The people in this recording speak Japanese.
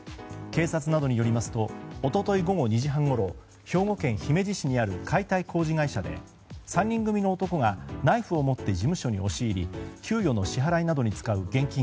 警察などによりますと一昨日午後２時半ごろ兵庫県姫路市にある解体工事会社で３人組の男がナイフを持って事務所に押し入り給与の支払いなどに使う現金